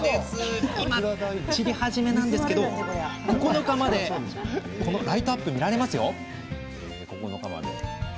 今は散り始めですが、９日までライトアップが見られますよ。